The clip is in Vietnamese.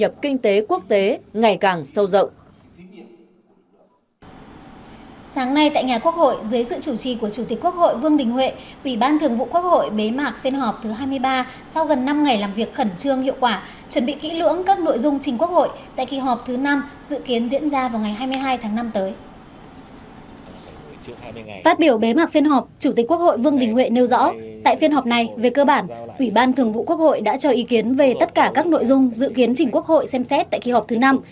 phát biểu bế mạc phiên họp chủ tịch quốc hội vương đình huệ nêu rõ tại phiên họp này về cơ bản quỹ ban thường vụ quốc hội đã cho ý kiến về tất cả các nội dung dự kiến chính quốc hội xem xét tại kỳ họp thứ năm